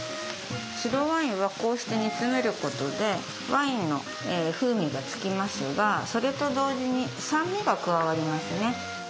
白ワインはこうして煮詰めることでワインの風味がつきますがそれと同時に酸味が加わりますね。